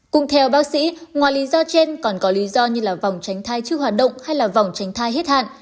cùng theo bác sĩ ngoài lý do trên còn có lý do như là vòng tránh thai chưa hoạt động hay là vòng tránh thai hết hạn